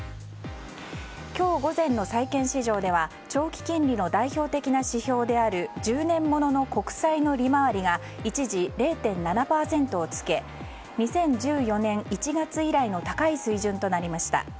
今日午前の債券市場では長期金利の代表的な指標である１０年物の国債の利回りが一時０．７％をつけ２０１４年１月以来の高い水準となりました。